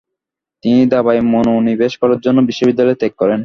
তিনি দাবায় মনোনিবেশ করার জন্য বিশ্ববিদ্যালয় ত্যাগ করেন।